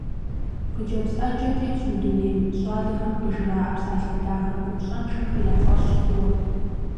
Хъыджэбз Ӏэджэ тетщ мы дунейм, щӏалэхэм къыжыраӀэ псалъэ дахэ купщӀэншэхэр я фӀэщ хъууэ.